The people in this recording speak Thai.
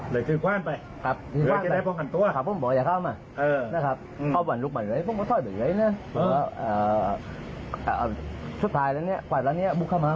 เลยถือขวานไปครับถือขวานไปเหลือจะได้ขันตัวครับผมบอกอย่าเข้ามา